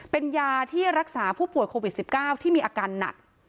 เป็นยาที่รักษาผู้ป่วยโควิด๑๙ที่มีอาการหนัก